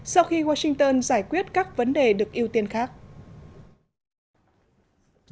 sau khi washington giải quyết các vấn đề được ưu tiên khác